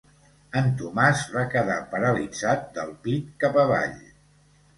En Tomàs va quedar paralitzat del pit cap avall.